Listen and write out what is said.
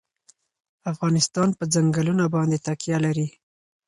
افغانستان په ځنګلونه باندې تکیه لري.